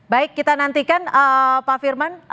baik kita nantikan pak firman